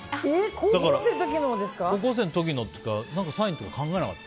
高校生の時サインとか考えなかった？